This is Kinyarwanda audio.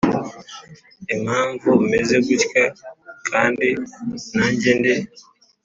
impamvu meze gutya, kandi nanjye ndi.